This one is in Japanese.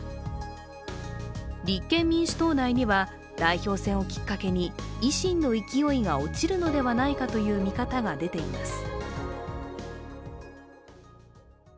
立憲民主党内には代表選をきっかけに維新の勢いが落ちるのではないかという見方が出ています。